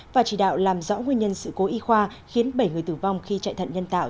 và chỉ đạo làm rõ nguyên nhân sự cố y khoa khiến bảy người tử vong khi chạy thận nhân tạo